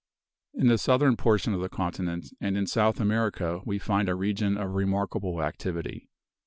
In the southern portion of the continent and in South America we find a region of remarkable activity.